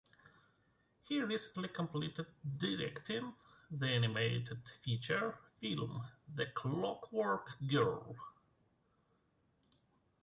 He recently completed directing the animated feature film, "The Clockwork Girl".